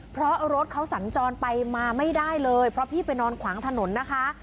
เพราะรถเขาสัญจรไปมาไม่ได้เลยเพราะพี่ไปนอนขวางถนนนะคะ